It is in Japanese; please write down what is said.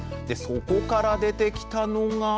そこから出てきたのが？